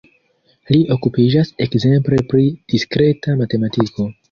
Li okupiĝas ekzemple pri diskreta matematiko.